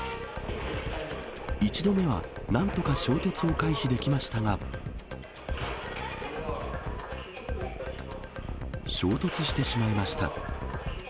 １度目はなんとか衝突を回避できましたが、衝突してしまいました。